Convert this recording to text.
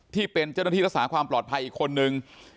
ที่เป็นเจ้าหน้าที่รักษาความปลอดภัยอีกคนนึง